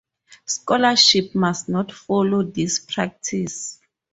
Scholarship must not follow this practise.